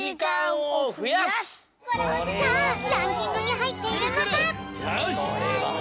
さあランキングにはいっているのか！